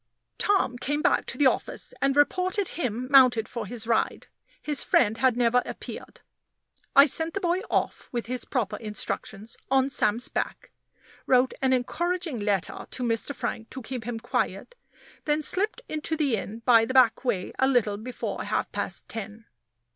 Tom came back to the office, and reported him mounted for his ride. His friend had never appeared. I sent the boy off, with his proper instructions, on Sam's back wrote an encouraging letter to Mr. Frank to keep him quiet then slipped into the inn by the back way a little before half past ten.